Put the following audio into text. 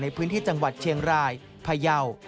ในพื้นที่จังหวัดเชียงรายพยาว